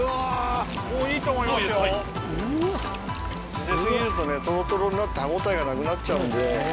茹で過ぎるとトロトロになって歯応えがなくなっちゃうんで。